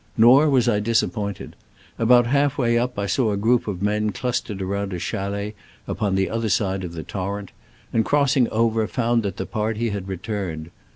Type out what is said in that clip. Nor was I disappointed. About halfway up I saw a group of men clus tered around a chalet upon the other side of the torrent, and crossing over found that the party had returned.